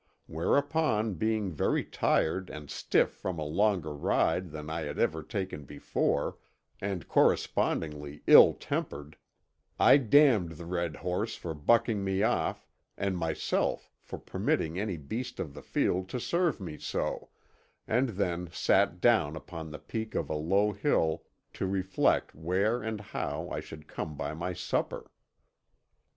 Whereupon, being very tired and stiff from a longer ride than I had ever taken before, and correspondingly ill tempered, I damned the red horse for bucking me off and myself for permitting any beast of the field to serve me so, and then sat down upon the peak of a low hill to reflect where and how I should come by my supper.